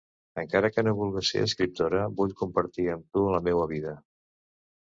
Encara que no vulgues ser escriptora, vull compartir amb tu la meua vida.